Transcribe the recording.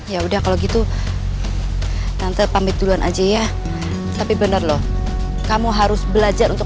ya udah kalau gitu nanti pamit duluan aja ya tapi bener loh kamu harus belajar untuk